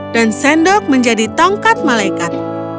dan sendok menjadi tongkat malaikat